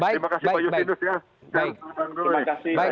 terima kasih pak justinus ya